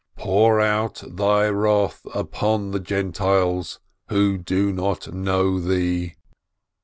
"Pour out Thy wrath upon the Gentiles, who do not know Thee